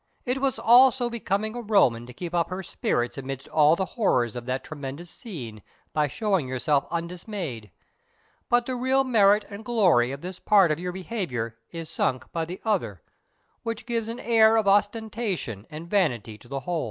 It was also becoming a Roman to keep up her spirits amidst all the horrors of that tremendous scene by showing yourself undismayed; but the real merit and glory of this part of your behaviour is sunk by the other, which gives an air of ostentation and vanity to the whole.